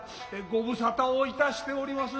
ご無沙汰をいたしております。